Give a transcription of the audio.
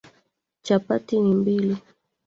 Chapati ni mbili.